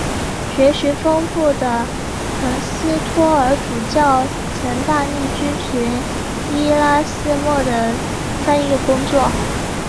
学识丰富的滕斯托尔主教曾大力支持伊拉斯谟的翻译工作。